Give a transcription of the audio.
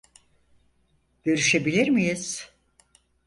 Görüşebilir miyiz?